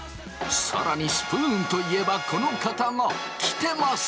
更にスプーンといえばこの方がキテます！